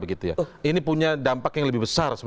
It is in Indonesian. ini punya dampak yang lebih besar